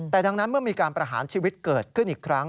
แต่ดังนั้นเมื่อมีการประหารชีวิตเกิดขึ้นอีกครั้ง